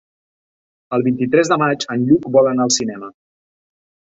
El vint-i-tres de maig en Lluc vol anar al cinema.